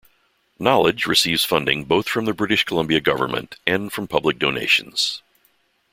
Knowledge receives funding both from the British Columbia government and from public donations.